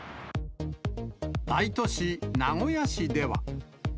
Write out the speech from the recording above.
大都市、名古屋市では。